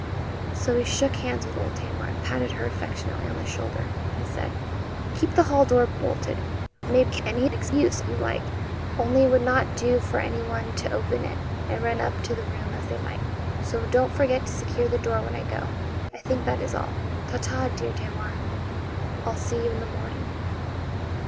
So he shook hands with old Tamar, and patted her affectionately on the shoulder, and he said: 'Keep the hall door bolted. Make any excuse you like: only it would not do for anyone to open it, and run up to the room as they might, so don't forget to secure the door when I go. I think that is all. Ta ta, dear Tamar. I'll see you in the morning.'